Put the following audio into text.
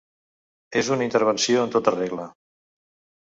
És una intervenció en tota regla.